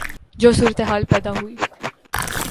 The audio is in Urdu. جو صورتحال پیدا ہوئی